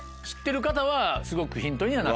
知ってる方はすごくヒントに。